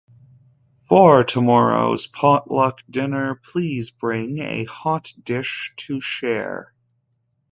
For tomorrow's potluck dinner, please bring a hot dish to share.